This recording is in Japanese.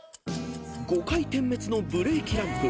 ［「５回点滅のブレーキランプ」